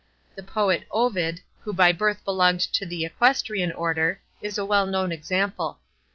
The poet Ovid, who by birth belonged to the equestrian order, is a well known example.